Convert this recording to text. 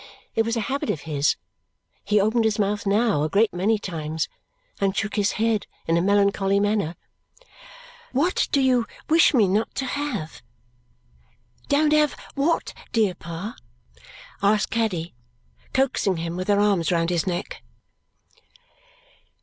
It was a habit of his. He opened his mouth now a great many times and shook his head in a melancholy manner. "What do you wish me not to have? Don't have what, dear Pa?" asked Caddy, coaxing him, with her arms round his neck.